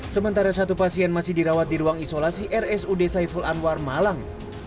sementara satu pasien masih dirawat di ruang isolasi rsud saiful anwar malang